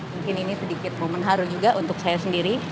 mungkin ini sedikit momen haru juga untuk saya sendiri